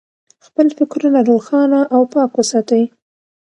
خپل فکرونه روښانه او پاک وساتئ.